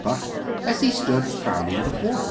Buck, as he stood frowning before her.